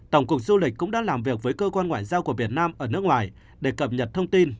tổng cục du lịch cũng đã làm việc với cơ quan ngoại giao của việt nam ở nước ngoài để cập nhật thông tin